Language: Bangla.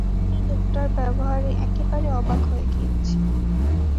আমি এই লোকটার ব্যবহারে একেবারে অবাক হয়ে গেছি।